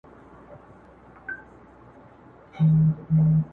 اختر که د مناسباتو زندان